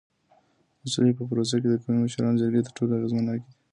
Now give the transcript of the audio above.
د سولې په پروسه کي د قومي مشرانو جرګې تر ټولو اغیزناکي دي.